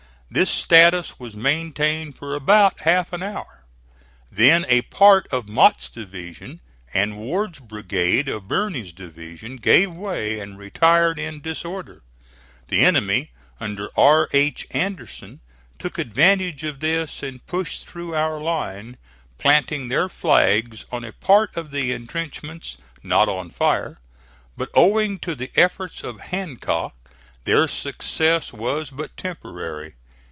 This status was maintained for about half an hour. Then a part of Mott's division and Ward's brigade of Birney's division gave way and retired in disorder. The enemy under R. H. Anderson took advantage of this and pushed through our line, planting their flags on a part of the intrenchments not on fire. But owing to the efforts of Hancock, their success was but temporary.